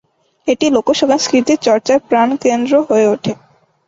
এটি লোকসংস্কৃতি চর্চার প্রাণকেন্দ্র হয়ে ওঠে।